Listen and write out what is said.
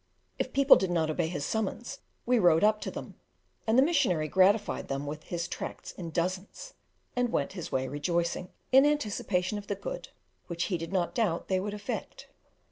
If people did not obey his summons, we rowed up to them, and the missionary gratified them with his tracts in dozens, and went his way rejoicing, in anticipation of the good which he did not doubt they would effect.